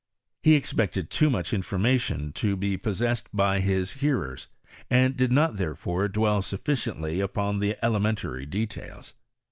He expected too much information to be possessed by his hearers, and did not, therefore, dwelt sufficiently upon the elementary details.